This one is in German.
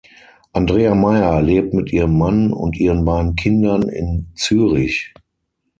Andrea Meier lebt mit ihrem Mann und ihren beiden Kindern in Zürich.